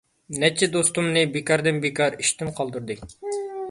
نەچچە دوستۇمنى بىكاردىن-بىكار ئىشتىن قالدۇردى.